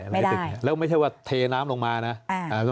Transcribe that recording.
ในตึกแล้วไม่ใช่ว่าเทน้ำลงมานะ